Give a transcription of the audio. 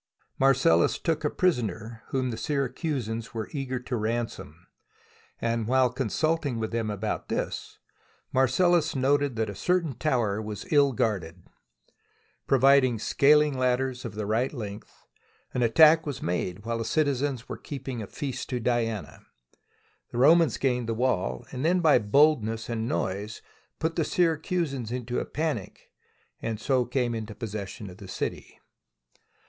Marcellus took a prisoner whom the Syracusans were eager to ransom, and while consulting with them about this, Marcellus noted that a certain tower was ill guarded. Providing scaling ladders of the right length, an attack was made while the citizens were keeping a feast to Diana. The Romans gained the wall, and then by boldness and noise put the Syra cusans into a panic, and so came into possession of the city.